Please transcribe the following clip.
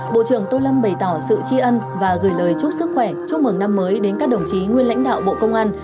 bộ trưởng tô lâm bày tỏ sự tri ân và gửi lời chúc sức khỏe chúc mừng năm mới đến các đồng chí nguyên lãnh đạo bộ công an